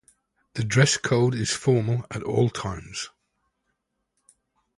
The dress code is formal at all times.